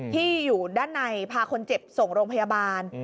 ที่อยู่ด้านในพาคนเจ็บส่งโรงพยาบาล